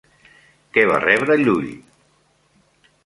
Què va rebre Llull?